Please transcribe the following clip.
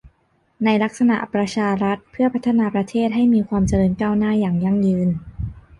ในลักษณะประชารัฐเพื่อพัฒนาประเทศให้มีความเจริญก้าวหน้าอย่างยั่งยืน